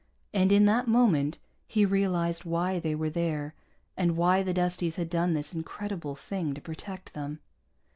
And in that moment he realized why they were there and why the Dusties had done this incredible thing to protect them.